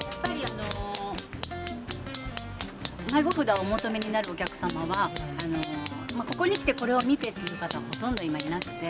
迷子札をお求めになるお客様はここに来てこれを見てという方はほとんど今、いなくて。